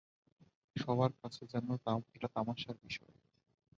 সবার কাছে যেন এটা তামাশার ব্যাপার।